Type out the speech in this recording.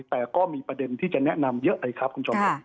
แต่ก็มีประเด็นที่จะแนะนำเยอะไหมครับคุณจอมขวัญ